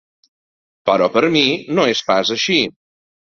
Però per mi no és pas així.